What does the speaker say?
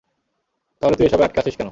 তাহলে তুই এসবে আটকে আছিস কেন?